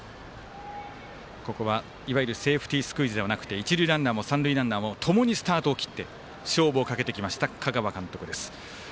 ここは、いわゆるセーフティースクイズではなく一塁ランナーも三塁ランナーもともにスタートを切って勝負をかけてきました香川監督です。